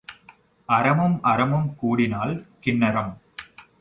அரமும் அரமும் கூடினால் கின்னரம்.